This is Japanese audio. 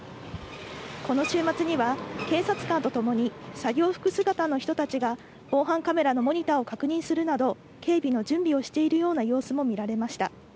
この週末には、警察官と共に作業服姿の人たちが、防犯カメラのモニターを確認するなど、警備の準備をしているような様子も見られました。